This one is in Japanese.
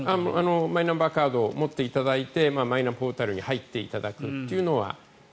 マイナンバーカードを持っていただいてマイナポータルに入っていただくというのは。